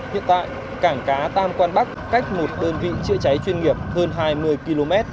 hiện tại cảng cá tam quang bắc cách một đơn vị chữa cháy chuyên nghiệp hơn hai mươi km